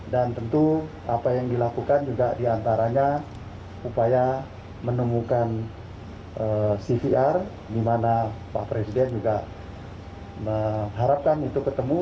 dan tentu apa yang dilakukan juga di antaranya upaya menemukan cvr di mana pak presiden juga mengharapkan itu ketemu